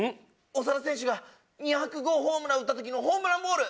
長田選手が２００号ホームラン打ったときのホームランボール。